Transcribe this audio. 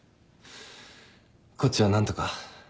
こっちは何とか。